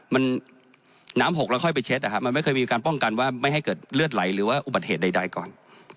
มันน้ำหกแล้วค่อยไปเช็ดนะครับมันไม่เคยมีการป้องกันว่าไม่ให้เกิดเลือดไหลหรือว่าอุบัติเหตุใดก่อน